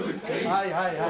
はいはいはい。